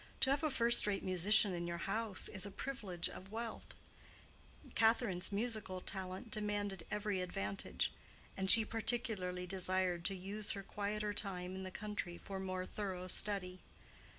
To have a first rate musician in your house is a privilege of wealth; Catherine's musical talent demanded every advantage; and she particularly desired to use her quieter time in the country for more thorough study.